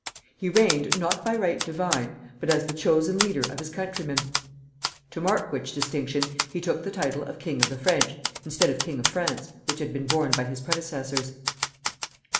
He reigned, not by "right divine," but as the chosen ruler of his countrymen, to mark which distinction he took the title of King of the French, instead of King of France, which had been borne by his predecessors.